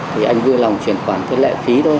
thì anh vui lòng chuyển khoản cái lệ phí thôi